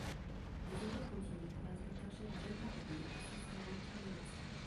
Les enquêtes continuent pour l'inspecteur-chef John Barnaby et son sergent Charlie Nelson.